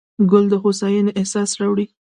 ګل د هوساینې احساس راوړي.